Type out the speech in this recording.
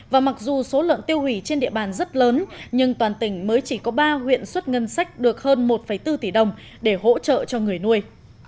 và mặc dù số lợn tiêu hủy trên địa bàn rất lớn nhưng toàn tỉnh mới chỉ có ba huyện xuất ngân sách được hơn một bốn tỷ đồng để hỗ trợ cho người nuôi